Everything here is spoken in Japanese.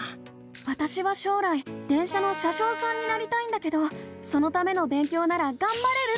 わたしは将来電車の車しょうさんになりたいんだけどそのための勉強ならがんばれるって思ったの！